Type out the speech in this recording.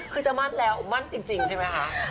คือจะมั่นแล้วมั่นจริงใช่ไหมคะ